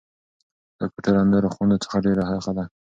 دا کوټه له نورو خونو څخه ډېره یخه ده.